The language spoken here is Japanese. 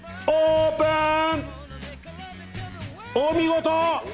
お見事！